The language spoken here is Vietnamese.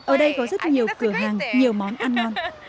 ở đây có rất nhiều cửa hàng nhiều món ăn ngon